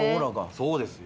そうですよ。